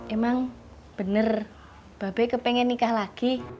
emang bener babek ke pengen nikah lagi